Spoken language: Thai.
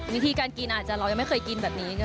วิธีการกินอาจจะเรายังไม่เคยกินแบบนี้